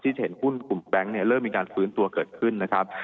จะเห็นหุ้นกลุ่มแบงค์เนี่ยเริ่มมีการฟื้นตัวเกิดขึ้นนะครับ